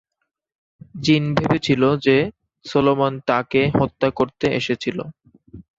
জিন ভেবেছিল যে সলোমন তাকে হত্যা করতে এসেছিল।